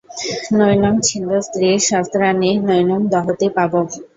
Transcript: নৈনং ছিন্দন্তি শস্ত্রাণি নৈনং দহতি পাবকঃ।